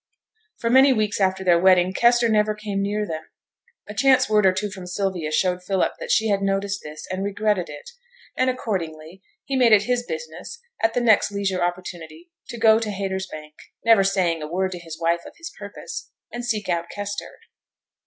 For many weeks after their wedding, Kester never came near them: a chance word or two from Sylvia showed Philip that she had noticed this and regretted it; and, accordingly, he made it his business at the next leisure opportunity to go to Haytersbank (never saying a word to his wife of his purpose), and seek out Kester.